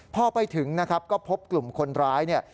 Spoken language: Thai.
พอไปถึงนะครับก็พบกลุ่มคนร้ายเนี่ย